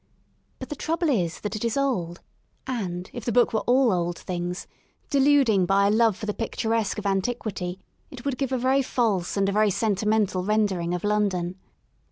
But the trouble is that it is old — and, if the book were all old things, deluding by a love for the picturesque of an tiquity, it would give a very false and a very senti mental rendering of London.